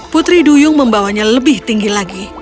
putri duyung membawanya lebih tinggi lagi